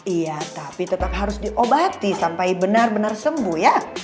iya tapi tetap harus diobati sampai benar benar sembuh ya